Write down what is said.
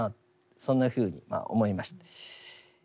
そんなふうに思いました。